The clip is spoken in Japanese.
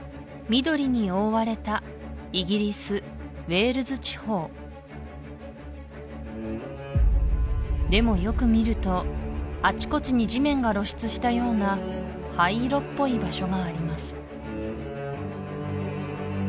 緑に覆われたイギリスウェールズ地方でもよく見るとあちこちに地面が露出したような灰色っぽい場所があります